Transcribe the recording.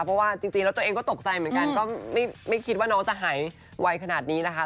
เพราะว่าจริงแล้วตัวเองก็ตกใจเหมือนกันก็ไม่คิดว่าน้องจะหายไวขนาดนี้นะคะ